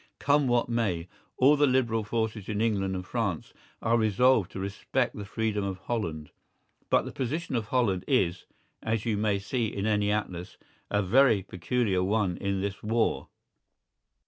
Come what may, all the liberal forces in England and France are resolved to respect the freedom of Holland. But the position of Holland is, as you may see in any atlas, a very peculiar one in this war.